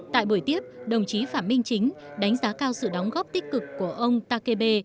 tại buổi tiếp đồng chí phạm minh chính đánh giá cao sự đóng góp tích cực của ông takebe